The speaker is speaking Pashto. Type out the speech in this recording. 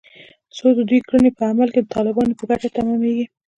خو د دوی کړنې په عمل کې د طالبانو په ګټه تمامېږي